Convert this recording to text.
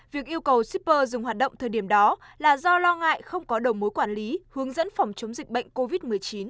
việc yêu cầu shipper dùng hoạt động thời điểm đó là do lo ngại không có đầu mối quản lý hướng dẫn phòng chống dịch bệnh covid một mươi chín